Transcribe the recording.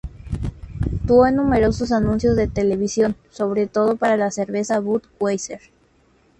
Actuó en numerosos anuncios de televisión, sobre todo para la cerveza Budweiser.